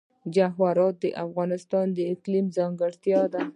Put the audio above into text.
جواهرات د افغانستان د اقلیم ځانګړتیا ده.